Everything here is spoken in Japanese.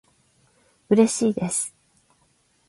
うれしいです